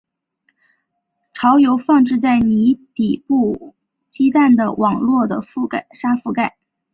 巢由放置在泥或底部鸡蛋的网络的沙覆盖。